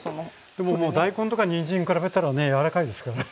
でももう大根とかにんじんに比べたらね柔らかいですからね。